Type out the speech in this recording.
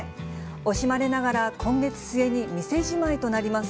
惜しまれながら今月末に店じまいとなります。